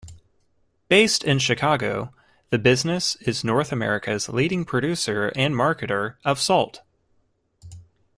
Based in Chicago, the business is North America's leading producer and marketer of salt.